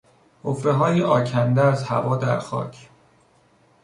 حفرههای آکنده از هوا در خاک